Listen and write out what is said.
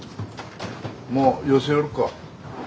もう寄せよるか？